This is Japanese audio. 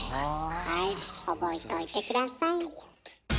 はい覚えといて下さい。